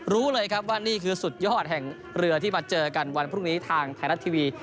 รู้เลยครับว่านี่คือสุดยอดแห่งเรือที่มาเจอกันวันพรุ่งนี้ทางไทยรัฐทีวี